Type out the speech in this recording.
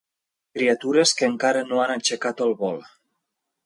Criatures que encara no han aixecat el vol.